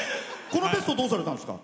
このベスト、どうされたんですか。